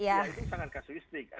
ya itu sangat kasuistik